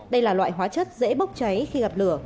đây là loại hóa chất dễ bốc cháy khi gặp lửa